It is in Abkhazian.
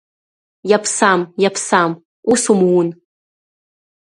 Иаԥсам, иаԥсам, ус умун!